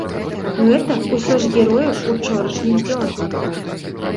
Гэта ўсё ж героі ўчорашніх дзён.